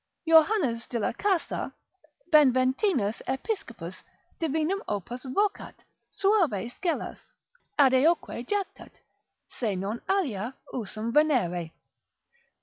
Johannes de la Casa, Beventinus Episcopus, divinum opus vocat, suave scelus, adeoque jactat, se non alia, usum Venere.